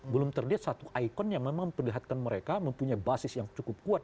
belum terlihat satu ikon yang memang memperlihatkan mereka mempunyai basis yang cukup kuat